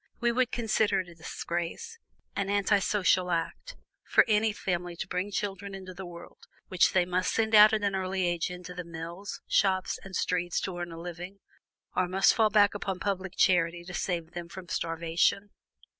We would consider it a disgrace, an anti social act, for any family to bring children into the world which they must send out at an early age into the mills, shops, and streets to earn a living, or must fall back upon public charity to save them from starvation.